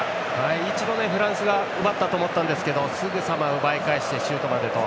一度、フランスが奪ったと思ったんですがすぐさま奪い返してシュートまでと。